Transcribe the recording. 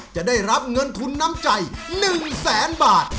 จะได้รับเงินทุนน้ำใจ๑แสนบาท